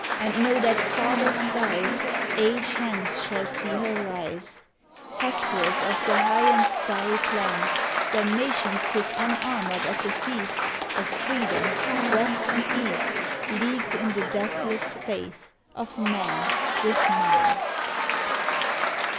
And know that farther skies Age hence shall see her rise, Hesperus of the high and starry plan When nations sit unarmored at the feast. Of freedom, West and East, Leagued in the deathless faith of men with Man.